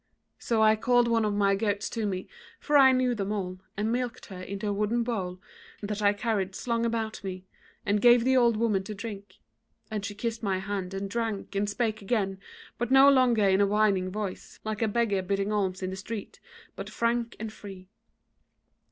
So I called one of my goats to me, for I knew them all, and milked her into a wooden bowl that I carried slung about me, and gave the old woman to drink: and she kissed my hand and drank and spake again, but no longer in a whining voice, like a beggar bidding alms in the street, but frank and free.